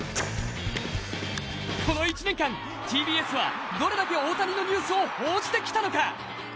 この１年間、ＴＢＳはどれだけ大谷のニュースを報じてきたのか。